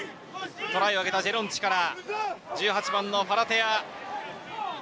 トライをあげたジェロンチから１８番のファラテア。